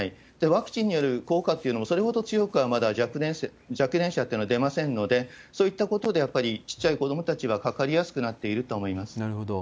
ワクチンによる効果というのもそれほど強くはまだ、若年者っていうのは出ませんので、そういったことで、やっぱり小っちゃい子どもたちはかかりやすくなっているなるほど。